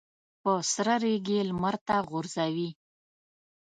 په سره ریګ یې لمر ته غورځوي.